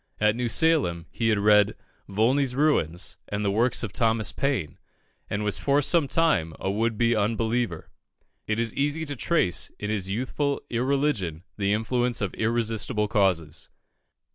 At New Salem, he had read "Volney's Ruins" and the works of Thomas Paine, and was for some time a would be unbeliever. It is easy to trace in his youthful irreligion the influence of irresistible causes.